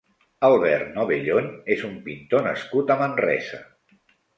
Albert Novellón és un pintor nascut a Manresa.